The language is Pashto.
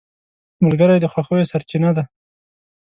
ملګری د خوښیو سرچینه ده